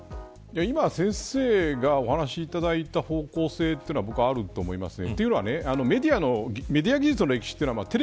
今、先生がお話いただいた方向性というのは僕はあると思いますね。